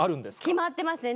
決まってますね